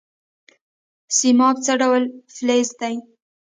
سیماب څه ډول فلز دی؟